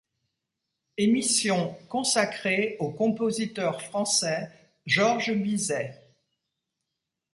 Émission consacrée au compositeur français Georges Bizet.